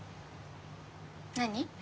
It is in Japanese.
何？